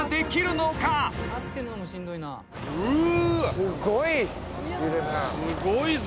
すごいぞ。